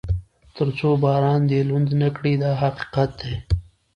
تر څو باران دې لوند نه کړي دا حقیقت دی.